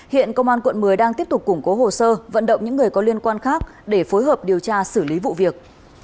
hiện công an quận một mươi đang tiếp tục củng cố hồ sơ vận động những người có liên quan khác để phối hợp điều tra xử lý vụ việc